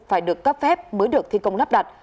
phải được cấp phép mới được thi công lắp đặt